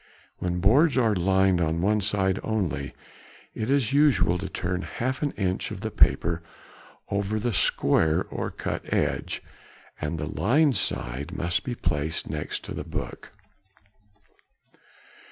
|56| When boards are lined on one side only it is usual to turn half an inch of the paper over the square or cut edge, and the lined side must be placed next the book.